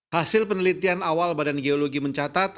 hasil penelitian awal badan geologi mencatat